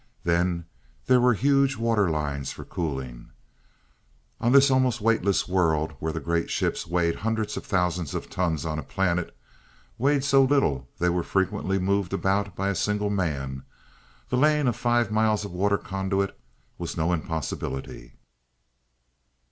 Then there were huge water lines for cooling. On this almost weightless world, where the great ships weighing hundreds of thousands of tons on a planet, weighed so little they were frequently moved about by a single man, the laying of five miles of water conduit was no impossibility.